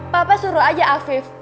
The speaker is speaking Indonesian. papa suruh aja afif